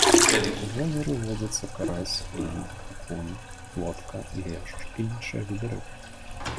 У возеры водзяцца карась, лінь, акунь, плотка, лешч і іншыя віды рыб.